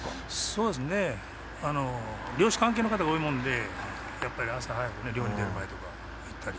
そうですね、漁師関係の方が多いもんで、朝早く、漁に出る前とか。